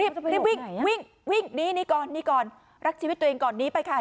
รีบวิ่งวิ่งวิ่งหนีนี่ก่อนหนีก่อนรักชีวิตตัวเองก่อนนี้ไปค่ะ